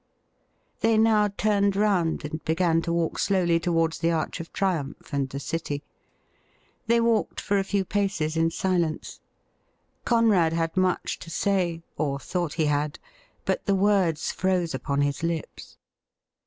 They now turned round and began to walk slowly towards the Arch of Triumph and the city. They walked for a few paces in silence. Conrad had much to say, or thought he had, but the words froze upon his lips.